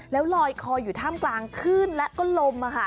แล้วลอยคออยู่ถ้ำกลางขึ้นและก็ลมนะคะ